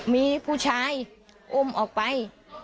มีผู้ชายอุ้มออกไป